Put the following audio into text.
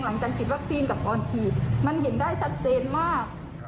หลังจากฉีดวัคซีนกับออนฉีดมันเห็นได้ชัดเจนมาก